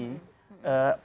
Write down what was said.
potretnya di mulutnya